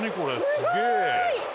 すげえ！